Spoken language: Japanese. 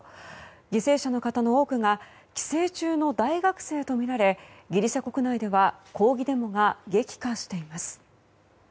犠牲者の方の多くが帰省中の大学生とみられギリシャ国内では抗議デモが激化しています。